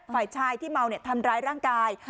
ฝ่ายชายที่เมาทำร้ายร่างกาย